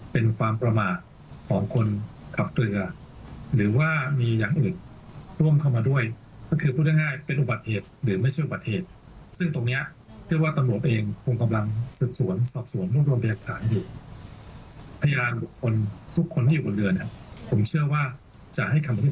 ผมเชื่อว่าจะให้คำอธิบายในสิ่งที่เกิดขึ้นทั้งหมดได้อย่างนี้ครับ